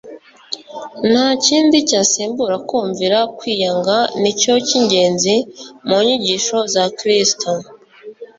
Nta kindi cyasimbura kumvira. Kwiyanga ni cyo cy'ingenzi mu nyigisho za Kristo.